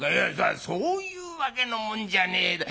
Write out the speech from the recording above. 「そういうわけのもんじゃねえだ